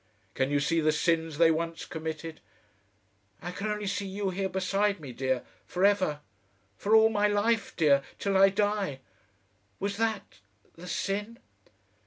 "Can you see the sins they once committed?" "I can only see you here beside me, dear for ever. For all my life, dear, till I die. Was that the sin?"...